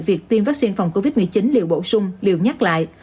việc tiêm vaccine phòng covid một mươi chín đều bổ sung liều nhắc lại